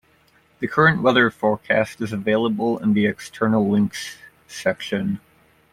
The current weather forecast is available in the "External links" section.